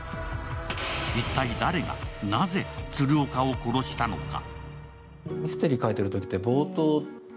一体誰が、なぜ鶴岡を殺したのか。